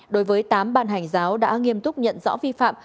đối với tám ban hành giáo đã nghiêm túc nhận rõ vi phạm